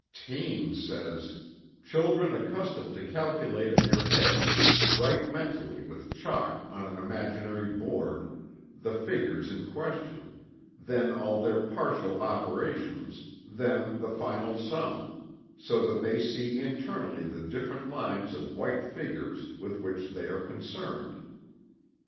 Taine says: "Children accustomed to calculate in their heads write mentally with chalk on an imaginary board the figures in question, then all their partial operations, then the final sum, so that they see internally the different lines of white figures with which they are concerned.